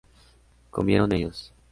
¿comieron ellos?